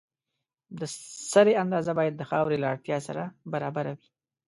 د سرې اندازه باید د خاورې له اړتیا سره برابره وي.